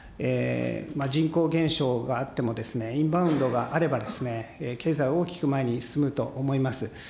人口減少があっても、インバウンドがあれば、経済、大きく前に進むと思います。